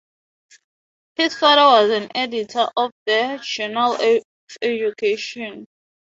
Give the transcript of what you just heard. His father was an editor of the "Journal of Education".